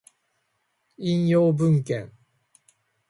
引用文献